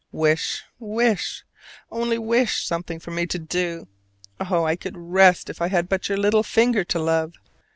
Wish, wish: only wish something for me to do. Oh, I could rest if I had but your little finger to love.